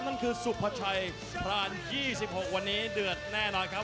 นั่นคือสุภาชัยพราน๒๖วันนี้เดือดแน่นอนครับ